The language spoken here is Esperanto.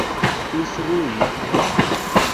instrui